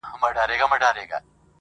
نه يې وكړل د آرامي شپي خوبونه!!